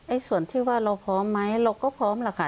ส่วนที่ว่าเราพร้อมไหมเราก็พร้อมล่ะค่ะ